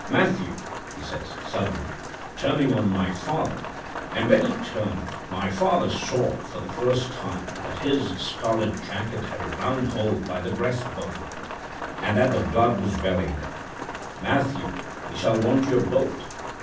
Matthew,' he says, suddenly, turning on my father—and when he turned, my father saw for the first time that his scarlet jacket had a round hole by the breast bone, and that the blood was welling there—'Matthew, we shall want your boat.'